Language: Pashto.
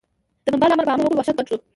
د بمبار له امله په عامه وګړو وحشت ګډ شو